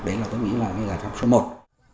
đấy là tôi nghĩ là cái giải trọng số một